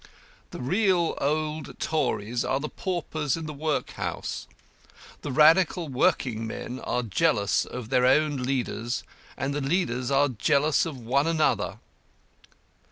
"The real old Tories are the paupers in the Workhouse. The radical working men are jealous of their own leaders, and the leaders are jealous of one another.